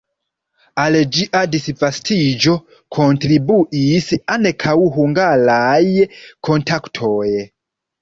Al ĝia disvastiĝo kontribuis ankaŭ hungaraj kontaktoj.